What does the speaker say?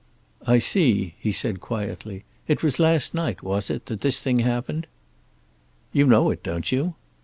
"I see," he said quietly. "It was last night, was it, that this thing happened?" "You know it, don't you?"